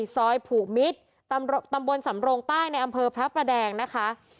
ซอยผูกมิตรตำบลสำโรงใต้ในอำเภอพระประแดงนะคะ